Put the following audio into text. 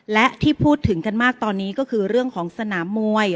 และที่พูดถึงกันมากตอนนี้ก็คือเรื่องของสนามมวย